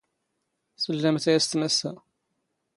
ⵙⵍⵍⴰⵎⵜ ⴰ ⵉⵙⵜ ⵎⴰⵙⵙⴰ.